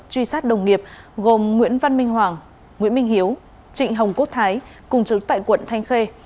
truy sát đồng nghiệp gồm nguyễn văn minh hoàng nguyễn minh hiếu trịnh hồng quốc thái cùng chứng tại quận thanh khê